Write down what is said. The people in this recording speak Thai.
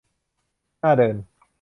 น่าเดิน